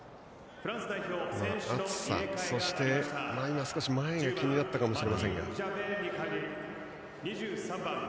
暑さ、そして少し前が気になったかもしれません。